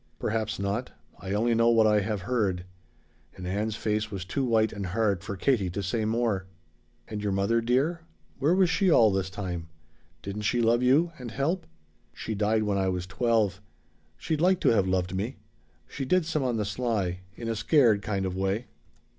"Perhaps not. I only know what I have heard." And Ann's face was too white and hard for Katie to say more. "And your mother, dear? Where was she all this time? Didn't she love you and help?" "She died when I was twelve. She'd like to have loved me. She did some on the sly in a scared kind of way."